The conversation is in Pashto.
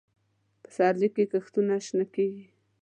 په پسرلي کې کښتونه شنه کېږي.